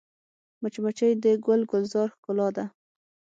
مچمچۍ د ګل ګلزار ښکلا ده